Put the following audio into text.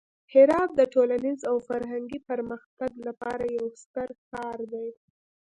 هرات د ټولنیز او فرهنګي پرمختګ لپاره یو ستر ښار دی.